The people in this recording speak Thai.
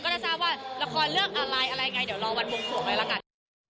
เราระครเรื่องอะไรเดี๋ยวรอวันวงสวงไปแล้วกัน